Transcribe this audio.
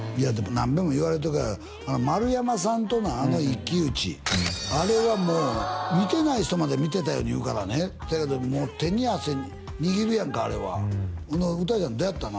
何べんも言われてる丸山さんとのあの一騎打ちあれはもう見てない人まで見てたように言うからねそやけどもう手に汗握るやんかあれは詩ちゃんどやったの？